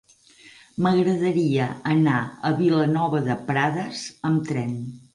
M'agradaria anar a Vilanova de Prades amb tren.